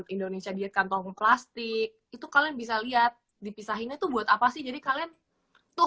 indonesia diet kantong plastik itu kalian bisa lihat dipisahin itu buat apa sih jadi kalian tuh